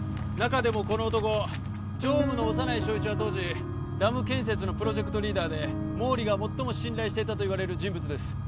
中でもこの男常務の小山内正一は当時ダム建設のプロジェクトリーダーで毛利が最も信頼していたといわれる人物です